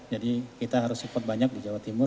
jadi kita harus support banyak di jawa timur